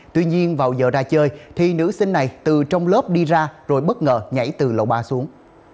tuy nhiên vào giờ ra chơi thì nữ sinh này từ trong lớp đi ra rồi bất ngờ nhảy từ lầu ba xuống